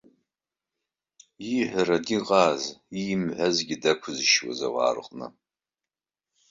Ииҳәаран иҟахыз иимҳәазгьы дақәызшьуаз ауаа рҟны!